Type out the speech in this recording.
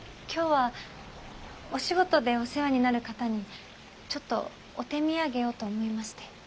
今日はお仕事でお世話になる方にちょっとお手土産をと思いまして。